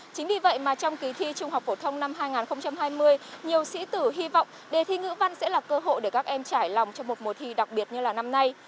chính vì vậy mà trong kỳ thi trung học phổ thông năm hai nghìn hai mươi nhiều sĩ tử hy vọng đề thi ngữ văn sẽ là cơ hội để các em trải lòng cho một mùa thi đặc biệt như là năm nay